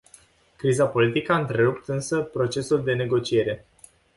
Criza politică a întrerupt însă procesul de negociere.